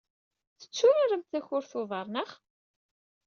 Tetturaremt takurt n uḍar, naɣ?